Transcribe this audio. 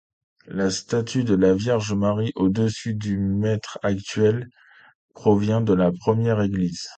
La statue de la Vierge Marie, au-dessus du maître-autel, provient de la première église.